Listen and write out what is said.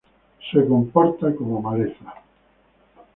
Se comporta como maleza.